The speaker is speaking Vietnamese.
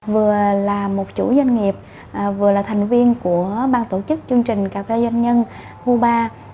vừa là một chủ doanh nghiệp vừa là thành viên của bang tổ chức chương trình cà phê doanh nhân cuba